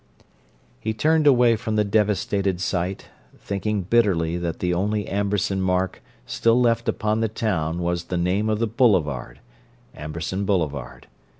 He turned away from the devastated site, thinking bitterly that the only Amberson mark still left upon the town was the name of the boulevard—Amberson Boulevard.